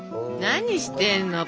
何してんの？